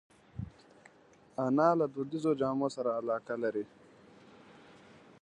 انا له دودیزو جامو سره علاقه لري